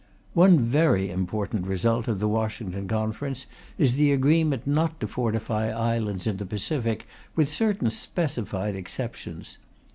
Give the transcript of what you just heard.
One very important result of the Washington Conference is the agreement not to fortify islands in the Pacific, with certain specified exceptions.